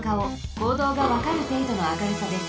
こうどうがわかるていどの明るさです。